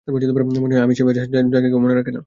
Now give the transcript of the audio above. মনে হয় আমিই সেই মেয়ে যাকে কেউ মনে রাখে না।